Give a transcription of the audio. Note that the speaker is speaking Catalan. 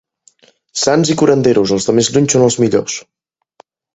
Sants i curanderos, els de més lluny són els millors.